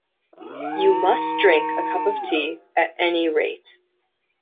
You must drink a cup of tea at any rate.